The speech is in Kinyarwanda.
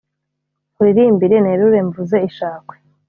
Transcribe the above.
Nkuririmbe nerure mvuze ishakwe